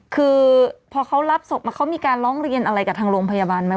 คือพอเขารับศพมาเขามีการร้องเรียนอะไรกับทางโรงพยาบาลไหม